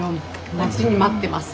待ちに待ってます！